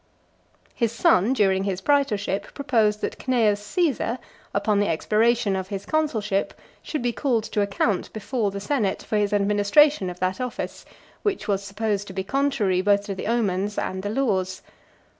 His son, during his praetorship , proposed that Cneius Caesar, upon the expiration of his consulship, should be called to account before the senate for his administration of that office, which was supposed to be contrary both to the omens and the laws.